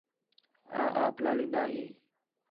آں آپ لالین٘دا ہیں